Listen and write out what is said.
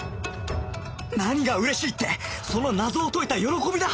何が嬉しいってその謎を解いた喜びだ！